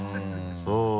うん。